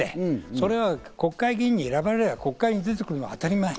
それは国会議員に選ばれれば国会に出てくるのは当たり前。